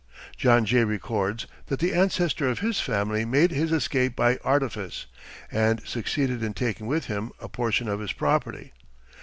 John Jay records that the ancestor of his family made his escape by artifice, and succeeded in taking with him a portion of his property.